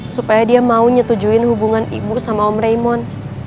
supaya dia mau nyetujuin hubungan ibu sama om raymoon